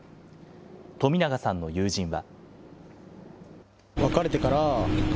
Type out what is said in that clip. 冨永さんの友人は。